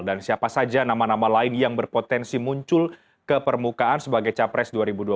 siapa saja nama nama lain yang berpotensi muncul ke permukaan sebagai capres dua ribu dua puluh